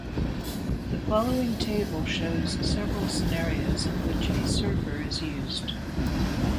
The following table shows several scenarios in which a server is used.